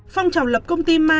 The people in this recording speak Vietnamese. phong trào lập công ty ma